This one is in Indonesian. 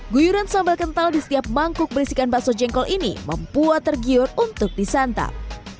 guyuran sambal kental di setiap mangkuk berisikan bakso jengkol ini membuat tergiur untuk disantap